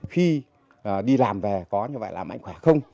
khi đi làm về có như vậy là mạnh khỏe không